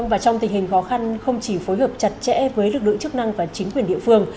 và trong tình hình khó khăn không chỉ phối hợp chặt chẽ với lực lượng chức năng và chính quyền địa phương